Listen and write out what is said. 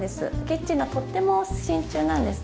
キッチンの取っ手も真鍮なんです。